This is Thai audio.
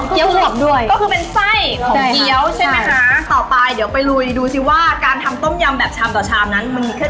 ขวบด้วยก็คือเป็นไส้ของเกี้ยวใช่ไหมคะต่อไปเดี๋ยวไปลุยดูสิว่าการทำต้มยำแบบชามต่อชามนั้นมันมีแค่